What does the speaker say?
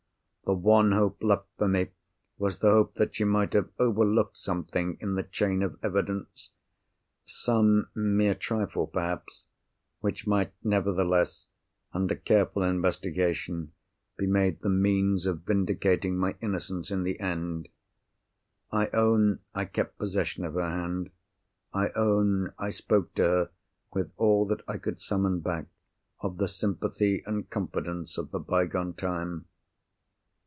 The one hope left for me was the hope that she might have overlooked something in the chain of evidence—some mere trifle, perhaps, which might nevertheless, under careful investigation, be made the means of vindicating my innocence in the end. I own I kept possession of her hand. I own I spoke to her with all that I could summon back of the sympathy and confidence of the bygone time.